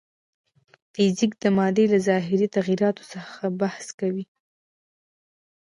فزیک د مادې له ظاهري تغیراتو څخه بحث کوي.